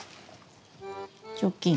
チョキン。